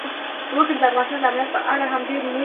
وګړي د افغانستان د امنیت په اړه هم ډېر لوی اغېز لري.